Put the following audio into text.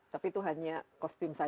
tapi itu hanya kostum saja